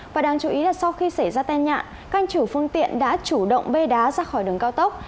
và đáng chú ý là sau khi xảy ra tai nạn các chủ phương tiện đã chủ động bê đá ra khỏi đường cao tốc